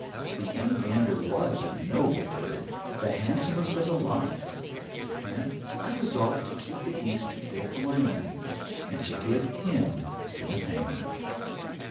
The young gander was a noble bird, the handsomest of the lot; and I resolved to keep the geese to kill for my own use, and to give him to Nathaniel.